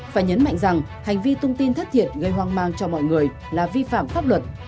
phải nhấn mạnh rằng hành vi tung tin thất thiệt gây hoang mang cho mọi người là vi phạm pháp luật